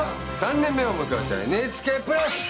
３年目を迎えたＮＨＫプラス！